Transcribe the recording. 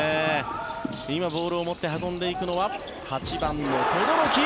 今、ボールを持って運んでいくのは８番の轟。